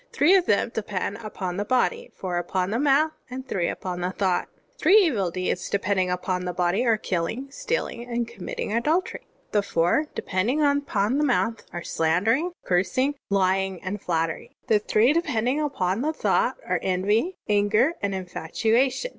Three of them depend upon the body, fotir upon the mouth, and three upon thought. "Three evil deeds depending upon the body are: killing, stealing, and committing adultery. The four depending upon the mouth are: slan* dering, cursing, lying, and flattery. The three depending upon thought are: envy, anger, and infatuation.